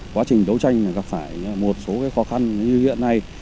quá trình đấu tranh gặp phải một số khó khăn như hiện nay